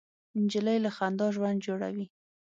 نجلۍ له خندا ژوند جوړوي.